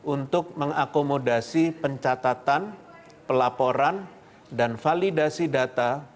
untuk mengakomodasi pencatatan pelaporan dan validasi data